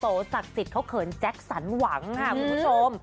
ศักดิ์สิทธิ์เขาเขินแจ็คสันหวังค่ะคุณผู้ชม